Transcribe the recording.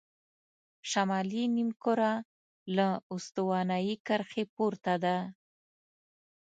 شمالي نیمهکره له استوایي کرښې پورته ده.